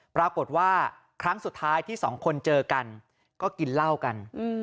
ปรากฏว่าครั้งสุดท้ายที่สองคนเจอกันก็กินเหล้ากัน